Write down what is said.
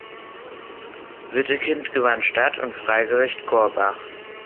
Wittekind gewann Stadt und Freigericht Korbach.